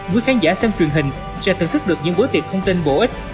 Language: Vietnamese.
mỗi khán giả xem truyền hình sẽ thưởng thức được những bối tiệp thông tin bổ ích